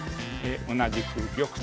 同じく玉と。